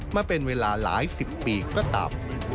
มาเป็นเวลาหลายสิบปีก็ต่ำ